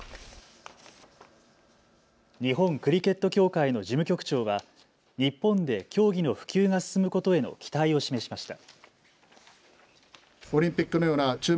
日本クリケット協会の事務局長は日本で競技の普及が進むことへの期待を示しました。